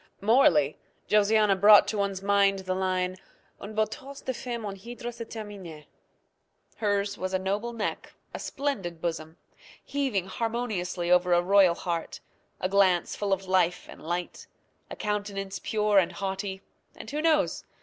Morally, Josiana brought to one's mind the line "Un beau torse de femme en hydre se termine." Hers was a noble neck, a splendid bosom, heaving harmoniously over a royal heart, a glance full of life and light, a countenance pure and haughty, and who knows?